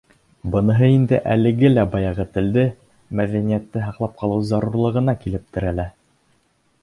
Быныһы инде әлеге лә баяғы телде, мәҙәниәтте һаҡлап ҡалыу зарурлығына килеп терәлә.